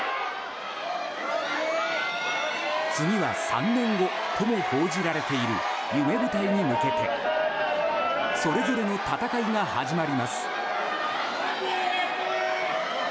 次は３年後とも報じられている夢舞台に向けてそれぞれの戦いが始まります。